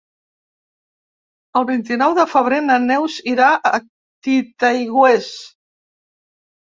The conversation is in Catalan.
El vint-i-nou de febrer na Neus irà a Titaigües.